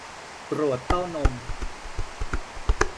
ตรวจเต้านม